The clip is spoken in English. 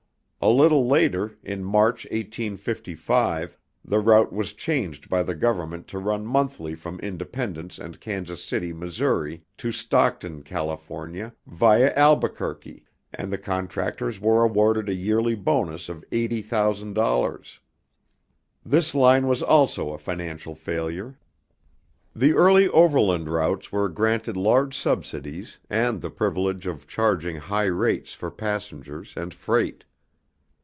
A little later, in March 1855, the route was changed by the Government to run monthly from Independence and Kansas City, Missouri, to Stockton, California, via Albuquerque, and the contractors were awarded a yearly bonus of $80,000.00 This line was also a financial failure. The early overland routes were granted large subsidies and the privilege of charging high rates for passengers and freight.